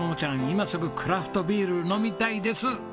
今すぐクラフトビール飲みたいです。